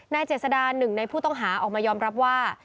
เจษดาหนึ่งในผู้ต้องหาออกมายอมรับว่า